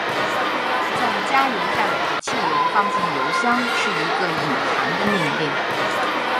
在加油站把汽油放进油箱是一个隐含的命令。